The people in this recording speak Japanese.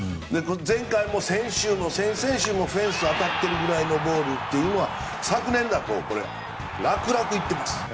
前回も先週も先々週もフェンスに当たっているくらいのボールというのは、昨年だと楽々いっています。